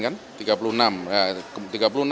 sekarang tiga puluh enam kemarin kan